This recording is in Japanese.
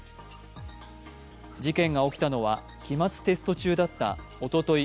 事件が起きたのは期末テスト中だったおととい